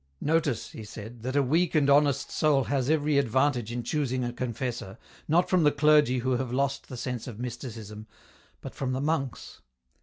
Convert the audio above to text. " Notice," he said, " that a weak and honest soul has every advantage in choosing a confessor, not from the clergy who have lost the sense of Mysticism, but from the monks.